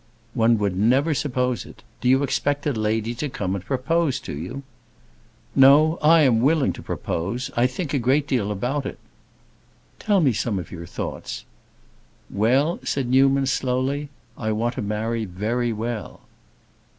"One would never suppose it. Do you expect a lady to come and propose to you?" "No; I am willing to propose. I think a great deal about it." "Tell me some of your thoughts." "Well," said Newman, slowly, "I want to marry very well."